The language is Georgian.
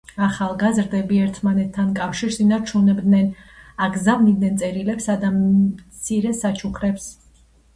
ახალგაზრდები ერთმანეთთან კავშირს ინარჩუნებდნენ, აგზავნიდნენ წერილებსა და მცირე საჩუქრებს.